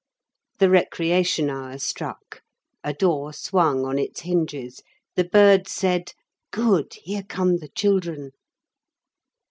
The recreation hour struck. A door swung on its hinges. The birds said, "Good; here come the children!"